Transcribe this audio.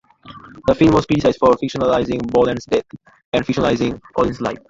The film was criticised for fictionalising Boland's death - and fictionalising Collins's life.